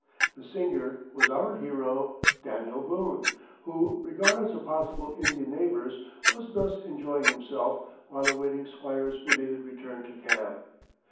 The singer was our hero, Daniel Boone, who, regardless of possible Indian neighbors, was thus enjoying himself while awaiting Squire's belated return to camp.